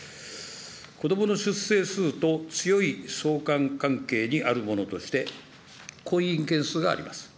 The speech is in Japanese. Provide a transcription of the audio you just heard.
子どもの出生数と強い相関関係にあるものとして、婚姻件数があります。